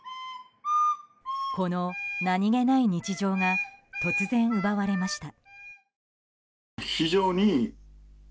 この何気ない日常が突然、奪われました。